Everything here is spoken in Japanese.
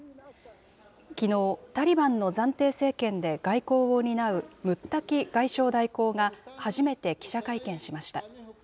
きのう、タリバンの暫定政権で外交を担うムッタキ外相代行が、初めて記者会見しました。